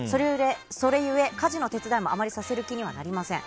それゆえ、家事の手伝いもあまりさせる気にはなりません。